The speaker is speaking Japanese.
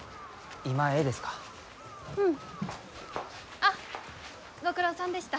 あっご苦労さんでした。